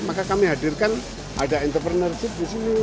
maka kami hadirkan ada entrepreneurship di sini